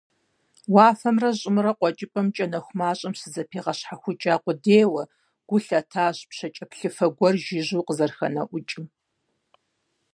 Уафэмрэ щӀымрэ къуэкӀыпӀэмкӀэ нэху мащӀэм щызэпигъэщхьэхукӀа къудейуэ, гу лъатащ пшэкӀэплъыфэ гуэр жыжьэу къызэрыхэнэӀукӀым.